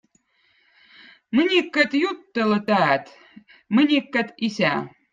Mõnikkad jutõlla taatt, mõnikkad isä.